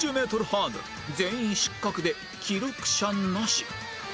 ハードル全員失格で記録者なし